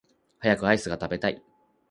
早くアイスが食べたい